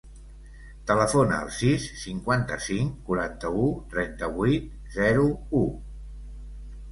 Telefona al sis, cinquanta-cinc, quaranta-u, trenta-vuit, zero, u.